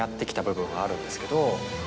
部分はあるんですけど。